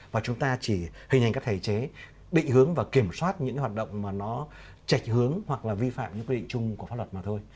và chúng ta chỉ hình ảnh các thể chế định hướng và kiểm soát những hoạt động mà nó chạch hướng hoặc là vi phạm những quy định chung của pháp luật mà thôi